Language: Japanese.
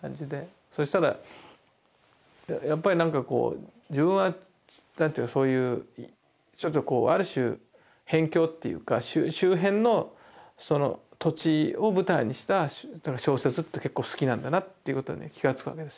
そしたらやっぱりなんかこう自分はそういうちょっとこうある種辺境っていうか周辺のその土地を舞台にした小説って結構好きなんだなっていうことに気が付くわけですよ。